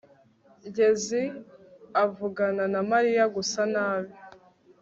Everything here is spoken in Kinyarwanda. ngenzi avugana na mariya gusa nabi